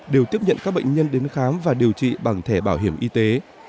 đều tiếp nhận các bệnh nhân đến khám và điều trị bằng thẻ bảo hiểm y tế